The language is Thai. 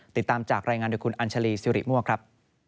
ติดตามจากรายงานโดยคุณอัญชาลีสิริมั่วครับ